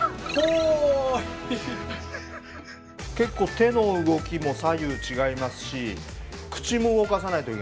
結構手の動きも左右違いますし口も動かさないといけない。